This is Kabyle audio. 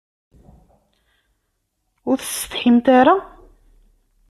Ur tessetḥimt ara?